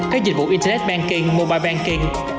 các dịch vụ internet banking mobile banking